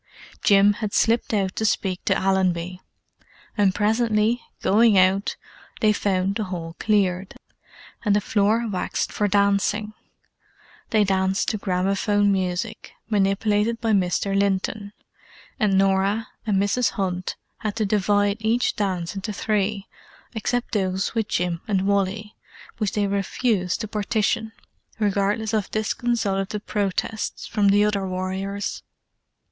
Jim had slipped out to speak to Allenby: and presently, going out, they found the hall cleared, and the floor waxed for dancing. They danced to gramophone music, manipulated by Mr. Linton: and Norah and Mrs. Hunt had to divide each dance into three, except those with Jim and Wally, which they refused to partition, regardless of disconsolate protests from the other warriors.